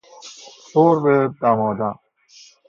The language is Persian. شرب دمادم